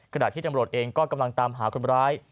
ขณะที่ตำรวจเองก็กำลังตามหาคนร้าย